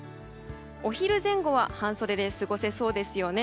お昼前後は半袖で過ごせそうですよね。